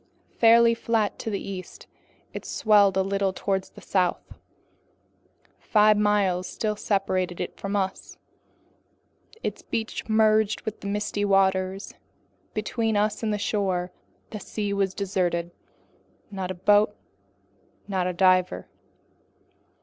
Fairly flat to the east, it swelled a little toward the south. Five miles still separated it from us, and its beach merged with the misty waters. Between us and the shore, the sea was deserted. Not a boat, not a diver.